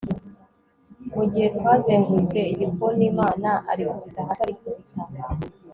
mugihe twazengurutse igikonimama arikubita hasi arikubita